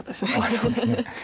そうですね。